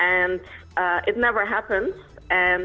dan itu tidak pernah terjadi